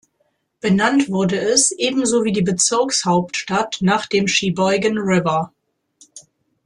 Benannt wurde es, ebenso wie die Bezirkshauptstadt, nach dem Sheboygan River.